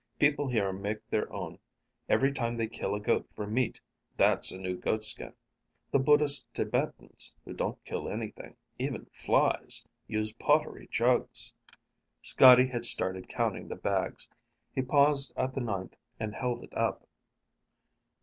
"People here make their own. Every time they kill a goat for meat, that's a new goatskin. The Buddhist Tibetans, who don't kill anything, even flies, use pottery jugs." Scotty had started counting the bags. He paused at the ninth and held it up.